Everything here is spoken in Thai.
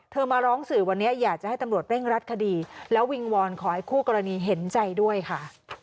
มาร้องสื่อวันนี้อยากจะให้ตำรวจเร่งรัดคดีแล้ววิงวอนขอให้คู่กรณีเห็นใจด้วยค่ะ